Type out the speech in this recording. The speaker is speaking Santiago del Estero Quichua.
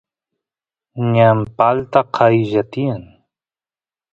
ñan palta qaylla tiyan